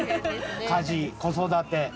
家事子育て。